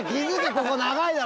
ここ長いだろ！」